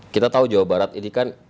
kita tahu jawa barat ini kan